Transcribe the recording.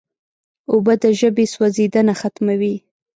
اوبه د ژبې سوځیدنه ختموي.